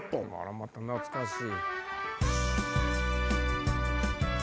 また懐かしい。